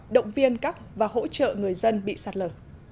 động viên các và hỗ trợ người dân bị sạt lở